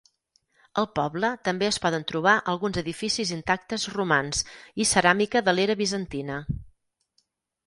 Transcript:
Al poble també es poden trobar alguns edificis intactes romans i ceràmica de l'era bizantina.